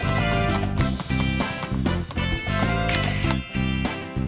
๑ช้อนครับ